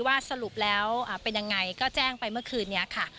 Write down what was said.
สรุปแล้วเป็นยังไงก็แจ้งไปเมื่อคืนนี้ค่ะ